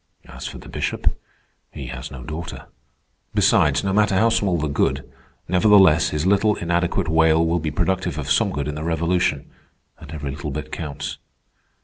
As for the Bishop, he has no daughter. Besides, no matter how small the good, nevertheless his little inadequate wail will be productive of some good in the revolution, and every little bit counts."